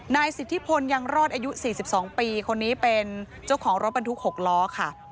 นายสิทธิพลยังรอดอายุ๔๒ปีคนนี้เป็นเจ้าของรถบรรทุก๖ล้อค่ะ